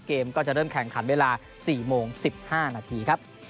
เกมก็จะเริ่มแข่งขันเวลา๔โมง๑๕นาทีครับ